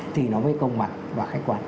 thì nó mới công mặt và khách quan